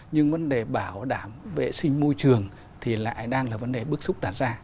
nhưng vấn đề bảo đảm vệ sinh môi trường thì lại đang là vấn đề bước xúc đặt ra